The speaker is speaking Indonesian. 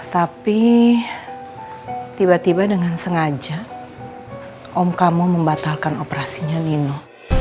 tapi tiba tiba dengan sengaja om kamu membatalkan operasinya nino